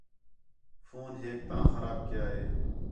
فون ہیک تاں خراب کَیا ہے